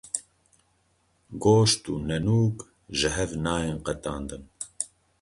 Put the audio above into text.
Goşt û nenûk ji hev nayên qetandin.